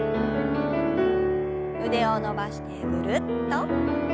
腕を伸ばしてぐるっと。